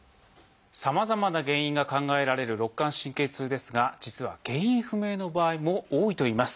さまざまな原因が考えられる肋間神経痛ですが実は原因不明の場合も多いといいます。